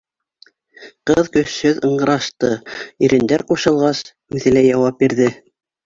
Ҡыҙ көсһөҙ ыңғырашты, ирендәр ҡушылғас, үҙе лә яуап бирҙе